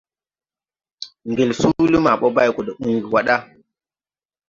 Ngel suuli maa bɔ bay go de uygi wa da.